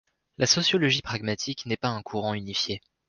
La sociologie pragmatique n'est pas un courant unifié.